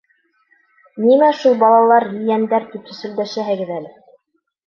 Нимә шул балалар, ейәндәр, тип сөсөлдәшәһегеҙ әле?